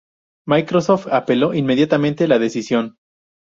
Microsoft apeló inmediatamente la decisión.